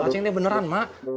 acing ini beneran mak